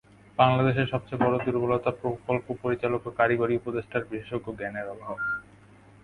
বাংলাদেশের সবচেয়ে বড় দুর্বলতা প্রকল্প পরিচালক ও কারিগরি উপদেষ্টার বিশেষজ্ঞ জ্ঞানের অভাব।